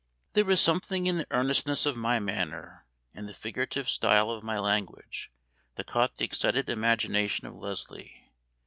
There was something in the earnestness of my manner, and the figurative style of my language, that caught the excited imagination of Leslie.